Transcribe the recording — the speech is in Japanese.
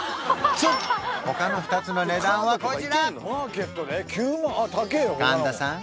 他の２つの値段はこちら！